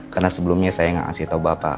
karena sebelumnya saya nggak asyik tahu bapak